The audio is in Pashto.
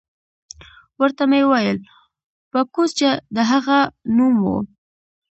ورته ومې ویل: باکوس، چې د هغه نوم وو.